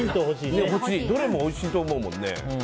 どれもおいしいと思う。